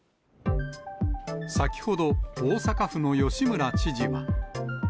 先ほど、大阪府の吉村知事は。